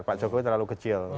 pak jokowi terlalu kecil